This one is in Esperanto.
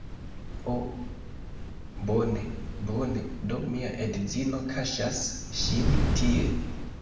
Oh bone, bone, do mia edzino kaŝas ŝin tie